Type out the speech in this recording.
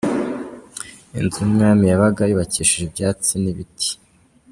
Inzu y’umwami yabaga yubakishije ibyatsi n’ibiti.